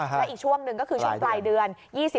และอีกช่วงหนึ่งก็คือช่วงปลายเดือน